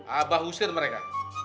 aba usir mereka